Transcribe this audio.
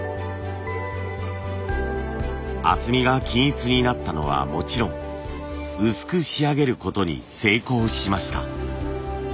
厚みが均一になったのはもちろん薄く仕上げることに成功しました。